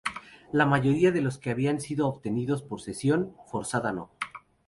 La mayoría de los que habían sido obtenidos por cesión, forzada o no.